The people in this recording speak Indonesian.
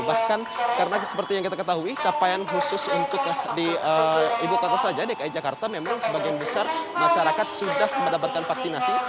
bahkan karena seperti yang kita ketahui capaian khusus untuk di ibu kota saja dki jakarta memang sebagian besar masyarakat sudah mendapatkan vaksinasi